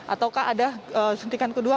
ataukah ada sentikan kedua